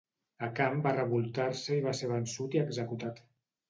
A Khan va revoltar-se i va ser vençut i executat.